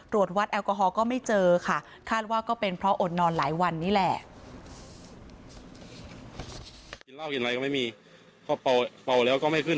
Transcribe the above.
วัดแอลกอฮอลก็ไม่เจอค่ะคาดว่าก็เป็นเพราะอดนอนหลายวันนี้แหละ